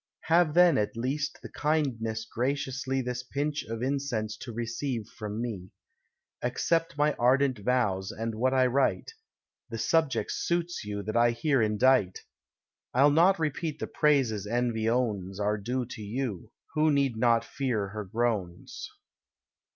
Have then, at least, the kindness graciously This pinch of incense to receive from me. Accept my ardent vows, and what I write: The subject suits you that I here indite. I'll not repeat the praises Envy owns Are due to you, who need not fear her groans.